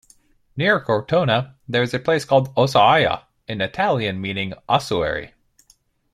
Near Cortona, there is a place called 'Ossaia', in Italian meaning ossuary.